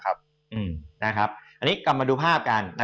อันนี้กลับมาดูภาพกัน